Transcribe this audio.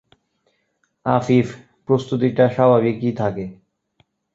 আফিফ: প্রস্তুতিটা স্বাভাবিকই থাকে।